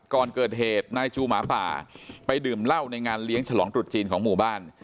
ก่อนเกิดเหตุนายจูหมาป่าไปดื่มเหล้าในงานเลี้ยงฉลองตรุษจีนของหมู่บ้าน